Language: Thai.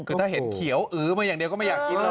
คือถ้าเห็นเขียวอื้อมาอย่างเดียวก็ไม่อยากกินเลย